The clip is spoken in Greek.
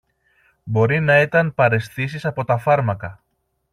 Μπορεί να ήταν παραισθήσεις από τα φάρμακα